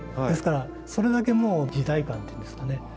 ですからそれだけもう時代感っていうんですかね